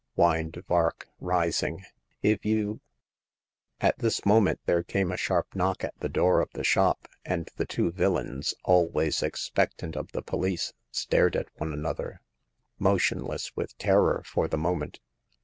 whined Vark, rising; "if you " At this moment there came a sharp knock at the door of the shop, and the two villains, always expectant of the police, stared at one another, motionless with terror for the moment.